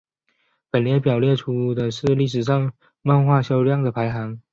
本列表列出的是历史上漫画销量的排行。